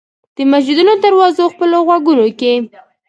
د مسجدونو دروازو خپلو غوږونو کې